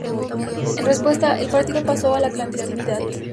En respuesta, el partido pasó a la clandestinidad.